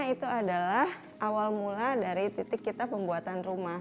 itu adalah awal mula dari titik kita pembuatan rumah